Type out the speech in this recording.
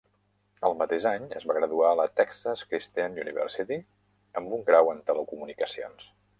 El mateix any, es va graduar a la Texas Christian University amb un grau en telecomunicacions.